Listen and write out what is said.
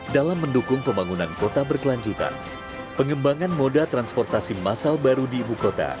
dalam perjalanan kembali ke kota berkelanjutan pengen banget transportasi masal baru di ibu kota